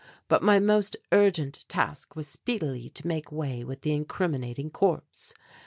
But my most urgent task was speedily to make way with the incriminating corpse.